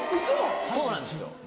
そうなんですよ。